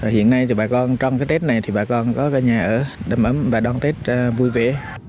hiện nay thì bà con trong cái tết này thì bà con có cái nhà ở đầm ấm và đón tết vui vẻ